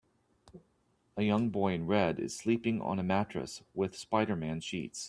A young boy in red is sleeping on a mattress with spiderman sheets.